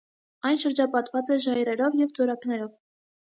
Այն շրջապատված է ժայռերով և ձորակներով։